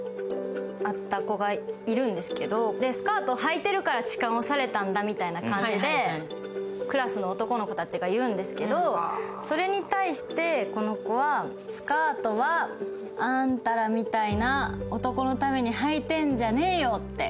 スカートをはいてるから痴漢をされたんだみたいな感じでクラスの男の子たちが言うんですけど、それに対してこの子は、スカートはあんたらみたいな男のために、はいてんじゃねえよって